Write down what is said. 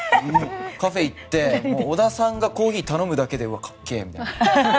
カフェに行って織田さんがコーヒーを頼むだけでうわ、かっけーみたいな。